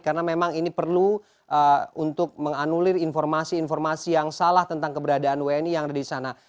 karena memang ini perlu untuk menganulir informasi informasi yang salah tentang keberadaan wni yang ada di sana